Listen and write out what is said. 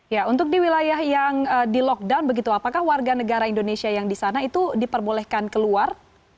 ya untuk di wilayah yang di lockdown begitu apakah warga negara indonesia yang di sana itu diperbolehkan keluar